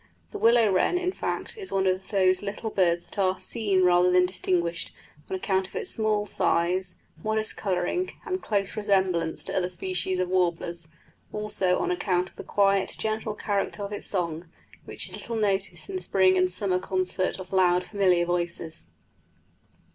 The willow wren, in fact, is one of those little birds that are "seen rather than distinguished," on account of its small size, modest colouring, and its close resemblance to other species of warblers; also on account of the quiet, gentle character of its song, which is little noticed in the spring and summer concert of loud, familiar voices.